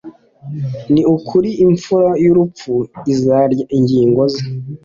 ni ukuri impfura y’urupfu izarya ingingo ze